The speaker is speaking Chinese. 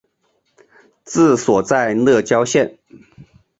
治所在乐郊县。